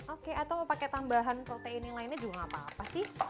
oke atau mau pakai tambahan protein yang lainnya juga gak apa apa sih